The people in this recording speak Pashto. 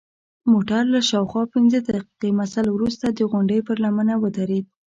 موټر له شاوخوا پنځه دقیقې مزل وروسته د غونډۍ پر لمنه ودرید.